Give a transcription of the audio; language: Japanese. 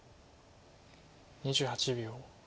２８秒。